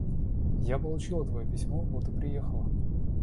Я получила твое письмо и вот приехала.